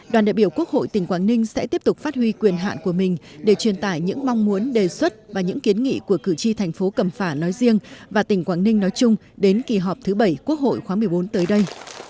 đoàn đại biểu quốc hội tỉnh quảng ninh sẽ tiếp tục phát huy quyền hạn của mình để truyền tải những mong muốn đề xuất và những kiến nghị của cử tri thành phố cẩm phả nói riêng và tỉnh quảng ninh nói chung đến kỳ họp thứ bảy quốc hội khóa một mươi bốn tới đây